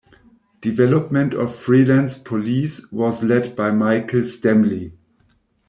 Development of "Freelance Police" was led by Michael Stemmle.